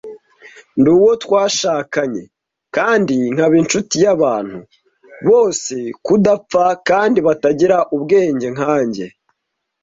Ndi uwo twashakanye kandi nkaba inshuti y'abantu, bose nkudapfa kandi batagira ubwenge nkanjye,